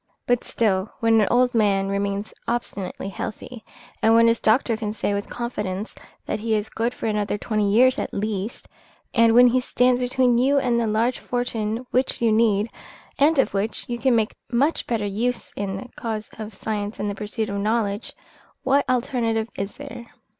But still, when an old man remains obstinately healthy, when his doctor can say with confidence that he is good for another twenty years at least, and when he stands between you and a large fortune which you need, and of which you can make much better use in the cause of science and the pursuit of knowledge, what alternative is there?